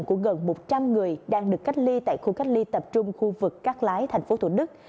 của gần một trăm linh người đang được cách ly tại khu cách ly tập trung khu vực cát lái thành phố thủ đức